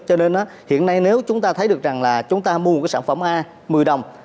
cho nên hiện nay nếu chúng ta thấy được rằng là chúng ta mua cái sản phẩm a một mươi đồng